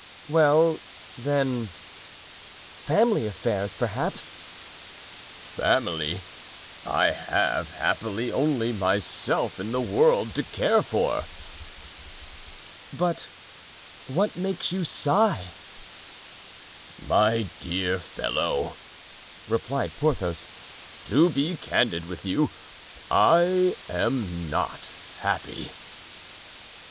"Well, then, family affairs, perhaps?" "Family! I have, happily, only myself in the world to care for." "But what makes you sigh?" "My dear fellow," replied Porthos, "to be candid with you, I am not happy."